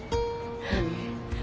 何？